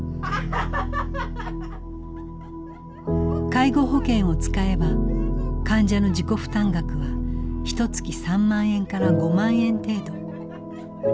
介護保険を使えば患者の自己負担額はひとつき３万円から５万円程度。